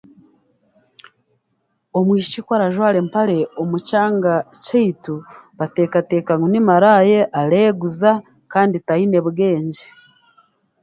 Omwishiki ku arajwara empare omu kyanga kyaitu bateekateeka ngu ni maraayi areeguza kandi taine mbwengye